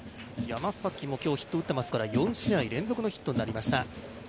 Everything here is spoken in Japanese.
山崎も今日ヒット打ってますから、４試合連続のヒットとなりました。